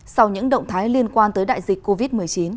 sau những động thái liên quan tới đại dịch covid một mươi chín